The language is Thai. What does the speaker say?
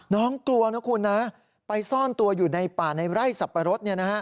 น้องกลัวนะคุณนะไปซ่อนตัวอยู่ในป่าในไร่สับปะรด